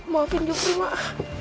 maafin jepri mak